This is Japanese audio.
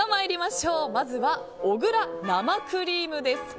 まずはおぐら生クリームです。